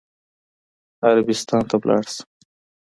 عربستان ته ولاړ شي.